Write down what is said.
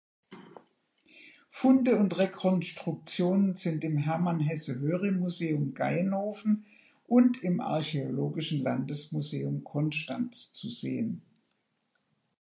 Funde und Rekonstruktionen sind im "Hermann-Hesse-Höri-Museum Gaienhofen" und im "Archäologischen Landesmuseum Konstanz" zu sehen.